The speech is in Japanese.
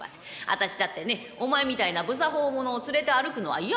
私だってねお前みたいな不作法者を連れて歩くのは嫌なんです。